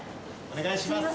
お願いします。